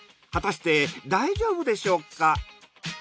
果たして大丈夫でしょうか？